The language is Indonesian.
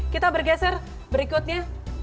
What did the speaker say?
kita bergeser berikutnya